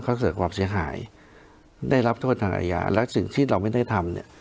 เขาเกิดความเสียหายได้รับโทษทางอาญาและสิ่งที่เราไม่ได้ทำเนี่ย